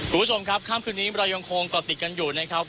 คุณผู้ชมครับค่ำคืนนี้เรายังคงเกาะติดกันอยู่นะครับ